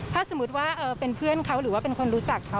ถ้าสมมุติว่าเป็นเพื่อนเขาหรือว่าเป็นคนรู้จักเขา